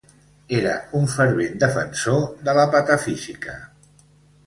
Era un fervent defensor de la patafísica.